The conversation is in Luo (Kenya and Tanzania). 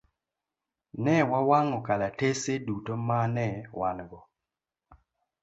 Ne wawang'o kalatese duto ma ne wan go.